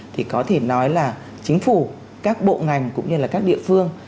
thì có thể nói là chính phủ các bộ ngành cũng như là các địa phương